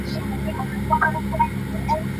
আরে, ঠিকই তো বলছে।